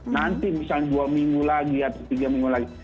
nanti misalnya dua minggu lagi atau tiga minggu lagi